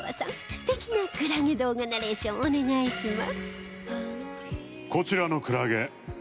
素敵なクラゲ動画ナレーションお願いします